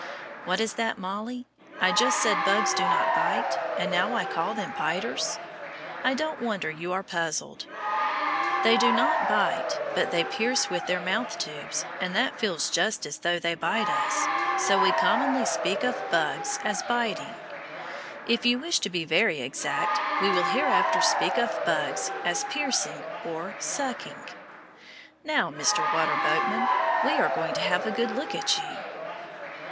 What is that, Mollie? I just said bugs do not bite, and now I call them biters? I don't wonder you are puzzled. They do not bite, but they pierce with their mouth tubes, and that feels just as though they bit us. So we commonly speak of bugs as biting. If you wish to be very exact, we will hereafter speak of bugs as piercing or sucking. Now, Mr. Water Boatman, we are going to have a good look at you.